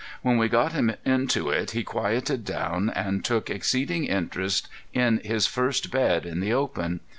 When we got him into it he quieted down and took exceeding interest in his first bed in the open.